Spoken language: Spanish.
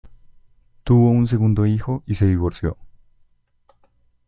Tuvo un segundo hijo y se divorció.